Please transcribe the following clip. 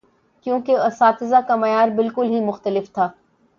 کیونکہ اساتذہ کا معیار بالکل ہی مختلف تھا۔